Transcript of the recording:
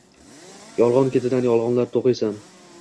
Yolgʻon ketidan yolgʻonlar toʻqiysan.